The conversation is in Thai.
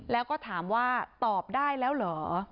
แล้วก็ถามว่าตอบได้แล้วเหรอ